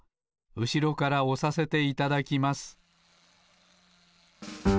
うしろからおさせていただきます